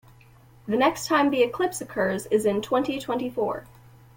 The next time the eclipse occurs is in twenty-twenty-four.